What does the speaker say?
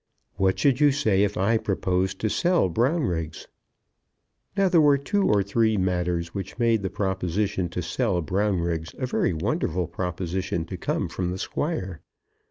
"What should you say if I proposed to sell Brownriggs?" Now there were two or three matters which made the proposition to sell Brownriggs a very wonderful proposition to come from the Squire.